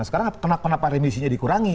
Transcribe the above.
kenapa remisinya dikurangi